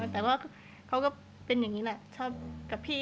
แต่ว่าเขาก็เป็นอย่างนี้แหละ